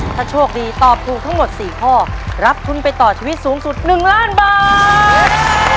ถ้าโชคดีตอบถูกทั้งหมด๔ข้อรับทุนไปต่อชีวิตสูงสุด๑ล้านบาท